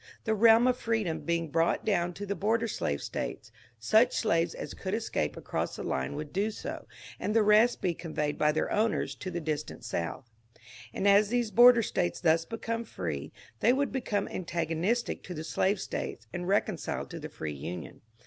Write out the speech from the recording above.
The realm of freedom being brought down to the border slaye States, such slaves as could escape across the line would do so, and the rest be con veyed by their owners to the distant South; and as these border States thus became free they would become antago nistic to the slave States and reconciled to the free Union.